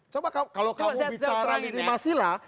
coba kalau kamu bicara lini masila